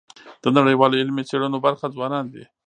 د نړیوالو علمي څېړنو برخه ځوانان دي.